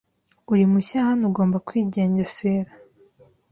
Uri mushya hano ugomba kwigengesera